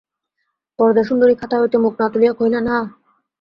বরদাসুন্দরী খাতা হইতে মুখ না তুলিয়া কহিলেন, হাঁ।